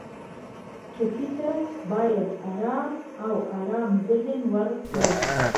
ټپي ته باید آرام او ارام ذهن ورکړو.